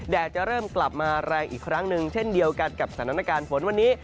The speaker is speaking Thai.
จะเริ่มกลับมาแรงอีกครั้งหนึ่งเช่นเดียวกันกับสถานการณ์ฝนวันนี้